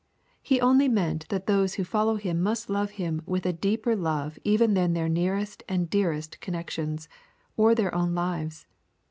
He only meant that those who follow Him must love Him with a deeper love even than their nearest and dearest connections, or their own lives.